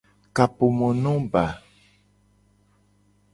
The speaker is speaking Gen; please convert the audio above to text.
Kapomonomba.